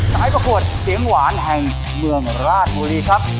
สายประกวดเสียงหวานแห่งเมืองราชบุรีครับ